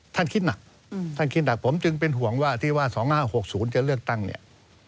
ท่านคิดหนักอืมท่านคิดหนักผมจึงเป็นห่วงว่าที่ว่าสองห้าหกศูนย์จะเลือกตั้งเนี้ย